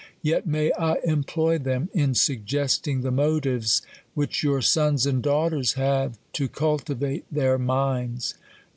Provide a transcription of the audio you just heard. yet may I employ them, in sug gesting the motives which your sons and daughters have to cultivate their minds.